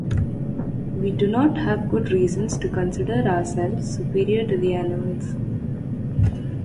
We do not have good reasons to consider ourselves superior to the animals.